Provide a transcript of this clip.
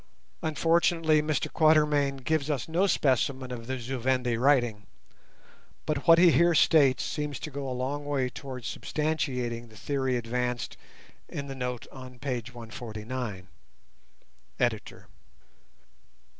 Unfortunately Mr Quatermain gives us no specimen of the Zu Vendi writing, but what he here states seems to go a long way towards substantiating the theory advanced in the note on p. 139.—Editor.